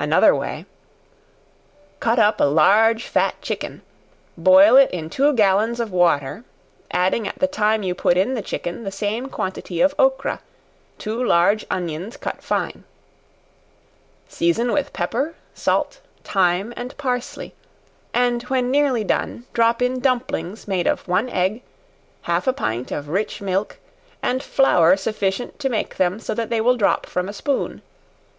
Another Way. Cut up a large fat chicken; boil it in two gallons of water, adding at the time you put in the chicken the same quantity of ocra, two large onions cut fine; season with pepper, salt, thyme and parsley; and when nearly done, drop in dumplings made of one egg, half a pint of rich milk, and flour sufficient to make them so that they will drop from a spoon.